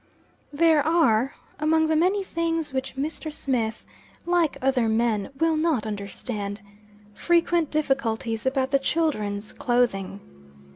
THERE are, among the many things which Mr. Smith, like other men, will not understand, frequent difficulties about the children's clothing.